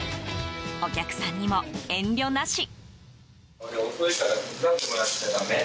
お客さんにも遠慮なし。